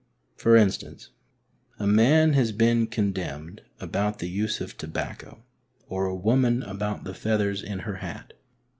For instance, a man has been condemned about the use of tobacco, or a woman about the feathers in her hat.